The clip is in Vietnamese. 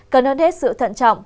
cần hơn hết sự thận trọng